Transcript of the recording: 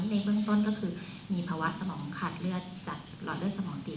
ในเบื้องต้นก็คือมีภาวะสมองขาดเลือดจากหลอดเลือดสมองตีบ